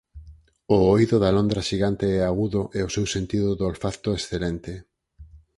O oído da londra xigante é agudo e o seu sentido do olfacto excelente.